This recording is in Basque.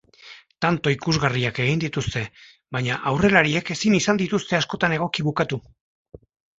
Tanto ikusgarriak egin dituzte, baina aurrelariek ezin izan dituzte askotan egoki bukatu.